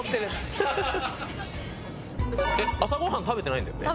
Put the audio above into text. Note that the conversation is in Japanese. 朝ご飯食べてないんだよね？